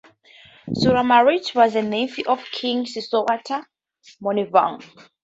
Suramarit was a nephew of King Sisowath Monivong.